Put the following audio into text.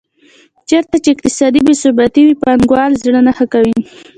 چېرته چې اقتصادي بې ثباتي وي پانګوال زړه نه ښه کوي.